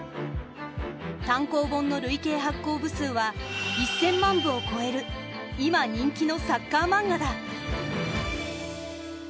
単行本の累計発行部数は１，０００万部を超える今人気のサッカーマンガだ。